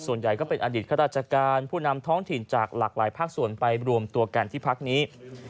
ส่วนใหญ่ก็เป็นอดีตข้าราชการผู้นำท้องถิ่นจากหลากหลายภาคส่วนไปรวมตัวกันที่พักนี้